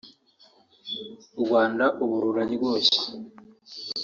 u Rwanda ubu ruraryoshye